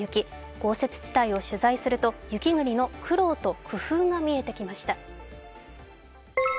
豪雪地帯を取材すると雪国の苦労と工夫が見えてきました。